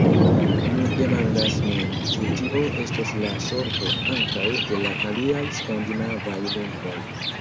Mi demandas min, ĉu tio estos la sorto ankaŭ de la aliaj skandinavaj lingvoj.